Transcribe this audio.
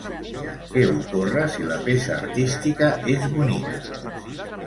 Què ocorre si la peça artística és bonica?